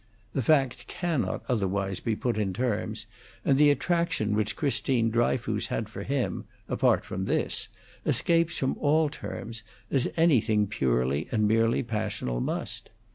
The fact cannot other wise be put in terms, and the attraction which Christine Dryfoos had for him, apart from this, escapes from all terms, as anything purely and merely passional must.